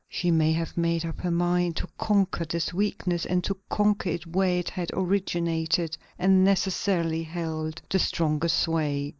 She may have made up her mind to conquer this weakness, and to conquer it where it had originated and necessarily held the strongest sway.